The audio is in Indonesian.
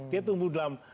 dia tumbuh dalam